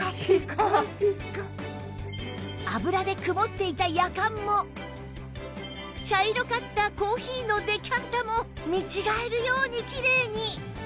油で曇っていたヤカンも茶色かったコーヒーのデキャンタも見違えるようにきれいに！